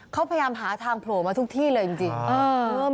เขาพยายามหาทางโผล่มาทุกที่เลยจริง